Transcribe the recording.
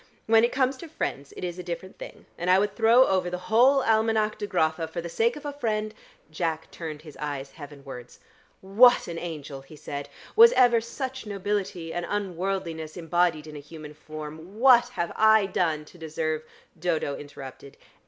When it comes to friends it is a different thing, and I would throw over the whole Almanack of Grotha for the sake of a friend " Jack turned his eyes heavenwards. "What an angel!" he said. "Was ever such nobility and unworldliness embodied in a human form? What have I done to deserve " Dodo interrupted.